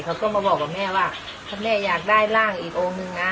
เขาก็มาบอกกับแม่ว่าถ้าแม่อยากได้ร่างอีกองค์นึงนะ